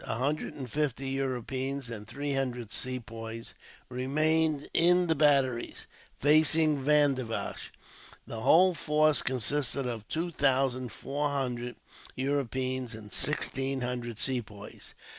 A hundred and fifty Europeans and three hundred Sepoys remained in the batteries, facing Vandivash. The whole force consisted of two thousand four hundred Europeans, and sixteen hundred Sepoys.